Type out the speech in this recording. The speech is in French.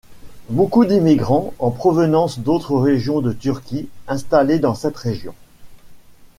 Beaucoup d'immigrants en provenance d'autres régions de Turquie installés dans cette région.